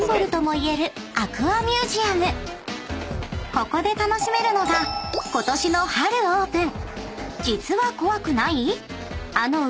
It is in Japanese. ［ここで楽しめるのがことしの春オープン］